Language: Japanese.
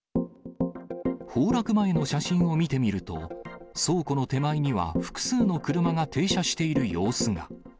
崩落前の写真を見てみると、倉庫の手前には、複数の車が停車している様子が。